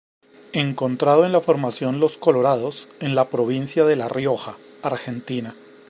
Encontrado en la Formación Los Colorados, en la Provincia de La Rioja, Argentina.